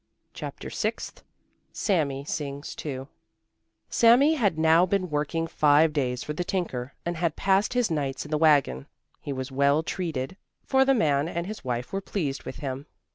CHAPTER SIXTH SAMI SINGS TOO Sami had now been working five days for the tinker, and had passed his nights in the wagon. He was well treated, for the man and his wife were pleased with him.